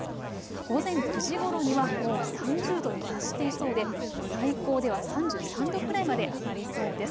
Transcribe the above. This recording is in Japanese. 午前９時ごろにはもう３０度に達していそうで最高では３３度くらいまで上がりそうです。